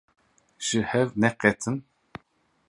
Ji hev neqetin!